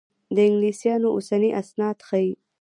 د انګلیسیانو اوسني اسناد ښيي.